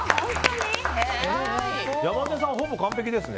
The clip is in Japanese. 山添さんほぼ完璧ですね。